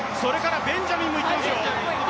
ベンジャミンも行ってますよ。